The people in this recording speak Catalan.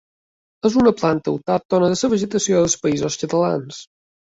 És una planta autòctona a la vegetació dels Països Catalans.